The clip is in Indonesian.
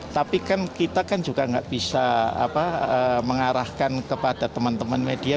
tapi kan kita kan juga nggak bisa mengarahkan kepada teman teman media